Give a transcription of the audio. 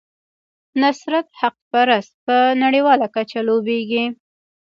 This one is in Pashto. نصرت حقپرست په نړیواله کچه لوبیږي.